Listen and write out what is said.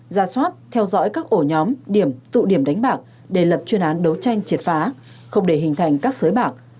ra soát theo dõi các ổ nhóm điểm tụ điểm đánh bạc để lập chuyên án đấu tranh triệt phá không để hình thành các sới bạc